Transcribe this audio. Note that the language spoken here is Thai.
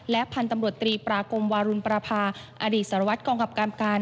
พันธุ์ตำรวจตรีปรากมวารุณประพาอดีตสารวัตรกองกับการ